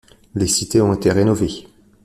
Les cités ont été rénovées.